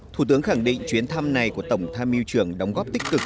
thủ tướng khẳng định chuyến thăm này của tổng tham mưu trưởng đóng góp tích cực